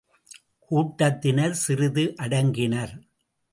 கூட்டத்தினர் சிறிது அடங்கினர்.